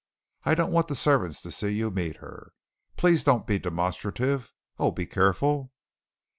I don't want the servants to see you meet her. Please don't be demonstrative. Oh, be careful!"